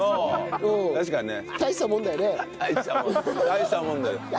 大したもんだよね。